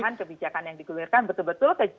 dan kebijakan yang digulirkan betul betul